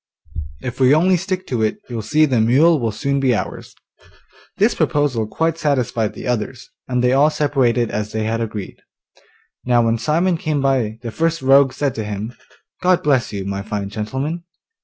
If we only stick to it you'll see the mule will soon be ours.' This proposal quite satisfied the others, and they all separated as they had agreed. Now when Simon came by, the first rogue said to him, 'God bless you, my fine gentleman.